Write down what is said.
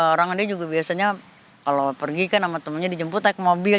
orang dia juga biasanya kalau pergi kan sama temennya dijemput naik mobil